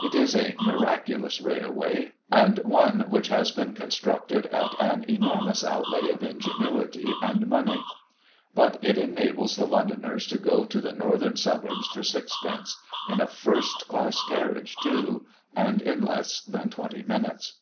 It is a miraculous railway, and one which has been constructed at an enormous outlay of ingenuity and money; but it enables the Londoners to go to the northern suburbs for sixpence, in a first class carriage too, and in less than twenty minutes.